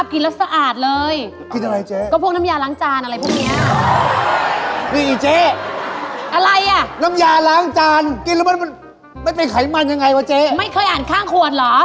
เป็นอะไรวะเจ๊ไม่เคยอ่านข้างขวนเหรอ